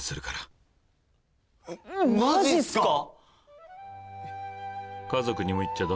マジっすか！？